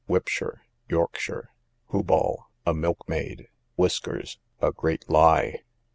Whipshire, Yorkshire. Whoball, a milkmaid. Whisker, a great lie.